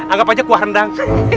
anggap aja kuah rendang